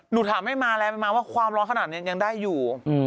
หนูถามไม่มาแล้วไม่มาว่าความร้อนขนาดนี้ยังได้อยู่